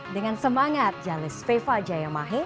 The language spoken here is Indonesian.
dengan semangat jalis viva jayamahe